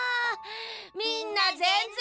みんなぜんぜん。